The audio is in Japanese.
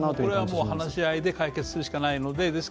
これは話し合いで解決するしかないので。